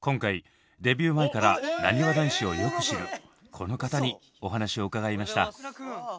今回デビュー前からなにわ男子をよく知るこの方にお話を伺いました。